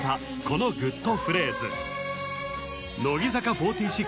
このグッとフレーズ